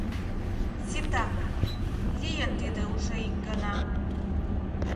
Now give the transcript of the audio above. Сита, лийын тиде уже ик гана.